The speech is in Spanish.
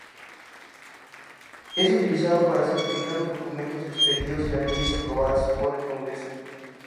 Es utilizado para certificar los documentos expedidos y las leyes aprobadas por el Congreso.